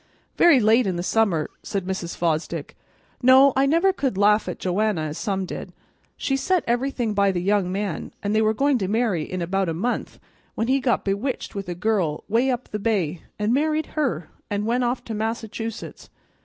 "Very late in the summer," said Mrs. Fosdick. "No, I never could laugh at Joanna, as some did. She set everything by the young man, an' they were going to marry in about a month, when he got bewitched with a girl 'way up the bay, and married her, and went off to Massachusetts.